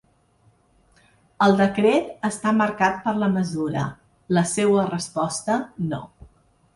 El decret està marcat per la mesura, la seua resposta no.